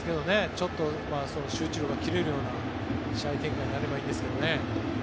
ちょっと集中力が切れるような試合展開になればいいんですけどね。